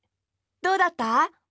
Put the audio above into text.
どうだった？